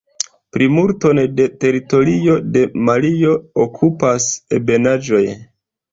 Plimulton de teritorio de Malio okupas ebenaĵoj.